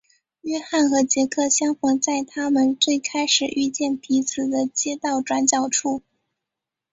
约翰和杰克相逢在他们最开始遇见彼此的街道转角处。